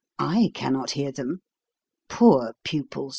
I cannot hear them. Poor pupils